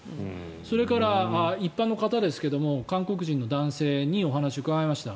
それから、一般の方ですけど韓国人の男性にお話を伺いました。